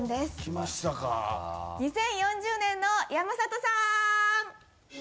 ２０４０年の山里さーん！